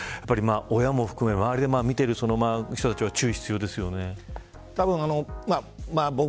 親も含め、周りで見ている人たちは、注意が必要ですよね。